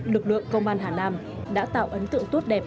lực lượng công an hà nam đã tạo ấn tượng tốt đẹp